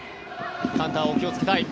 カウンターに気をつけたい。